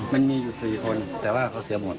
มันมีอยู่๔คนแต่ว่าเขาเสียหมด